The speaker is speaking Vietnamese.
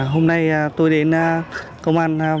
hôm nay tôi đến công an